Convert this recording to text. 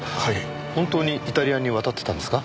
本当にイタリアに渡ってたんですか？